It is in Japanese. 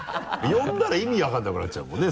呼んだら意味分からなくなっちゃうもんね。